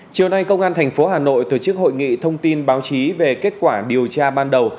chiều nay công an tp hà nội tổ chức hội nghị thông tin báo chí về kết quả điều tra ban đầu